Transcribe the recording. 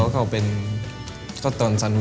เค้าก็เป็นตัวตนสนุก